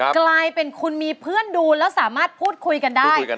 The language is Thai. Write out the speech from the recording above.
กลายเป็นคุณมีเพื่อนดูแล้วสามารถพูดคุยกันได้